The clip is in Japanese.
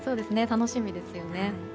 楽しみですよね。